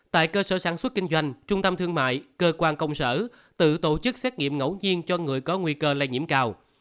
tại cơ sở sản xuất kinh doanh trung tâm thương mại cơ quan công sở tự tổ chức xét nghiệm ngẫu nhiên cho người có nguy cơ lây nhiễm cao